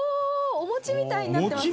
お餅みたいになってます。